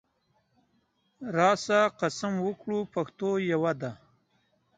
راسه قسم وکړو پښتو یوه ده